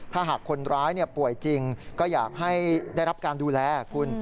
ถ้าหากคนร้ายป่วยจริงก็อยากให้ได้รับการดูแลคุณ